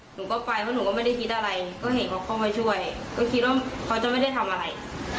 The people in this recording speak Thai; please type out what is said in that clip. หนูก็ไปเพราะหนูก็ไม่ได้คิดอะไรก็เห็นเขาเข้ามาช่วยก็คิดว่าเขาจะไม่ได้ทำอะไร